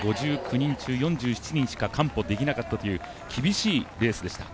５９人中４７人しか完歩できなかったという厳しいレースでした。